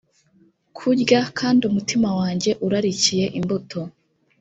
kurya kandi umutima wanjye urarikiye imbuto